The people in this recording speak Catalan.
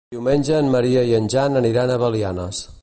Diumenge en Maria i en Jan aniran a Belianes.